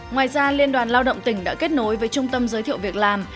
ngoài ra liên đoàn lao động tỉnh đã kết nối với trung tâm giới thiệu việc làm